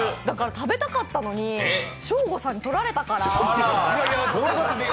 だから食べたかったのにショーゴさんに取られたから。